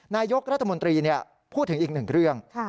นายกรัฐมนตรีพูดถึงอีกหนึ่งเรื่อง